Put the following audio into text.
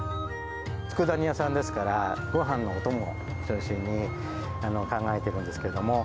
つくだ煮屋さんですから、ごはんのお供を中心に、考えているんですけれども。